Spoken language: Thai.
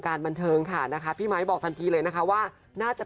เพราะว่าเขาเป็นคนหวังว่า